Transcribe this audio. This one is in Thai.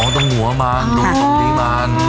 อ๋อตรงหัวมานตรงตรงนี้มาน